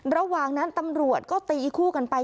ระหว่างนั้นตำรวจก็ตีคู่กันไป